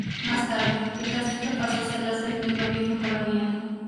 Más tarde, el castillo pasó a ser la sede del gobierno colonial.